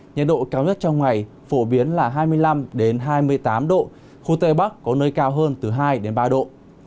nhiệt độ cao nhất trong ngày phổ biến là hai mươi năm hai mươi tám độ khu tây bắc có nơi cao hơn từ hai ba độ